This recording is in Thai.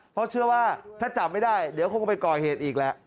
เพราะเชื่อว่าถ้าจับไม่ได้เดี๋ยวคงไปก่อเหตุอีกแล้ว